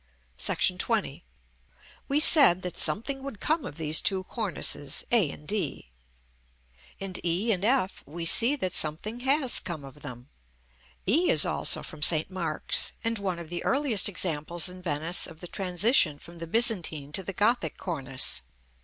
§ XX. We said that something would come of these two cornices, a and d. In e and f we see that something has come of them: e is also from St. Mark's, and one of the earliest examples in Venice of the transition from the Byzantine to the Gothic cornice.